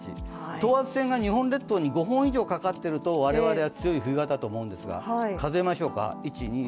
等圧線が日本列島に５本以上かかっていると、我々は強い冬型というんですが数えましょうか。